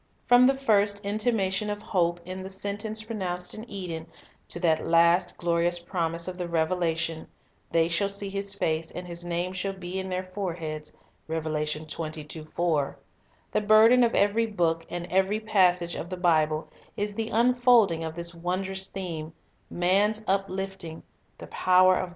From the first intimation of hope in the sentence pronounced in Eden to that last glorious promise of the Revelation, "They shall see His face; and His name shall be in their foreheads," 1 the burden of every book and every passage of the Bible is the unfolding of this wondrous theme, — man's uplifting, — 1 Rev. 22 : 4.